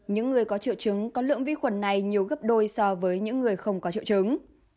những người có triệu chứng có lượng vi khuẩn này nhiều gấp đôi so với những người không có triệu chứng